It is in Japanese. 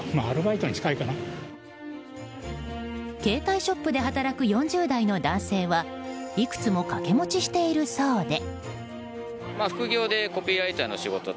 携帯ショップで働く４０代の男性はいくつも掛け持ちしているそうで。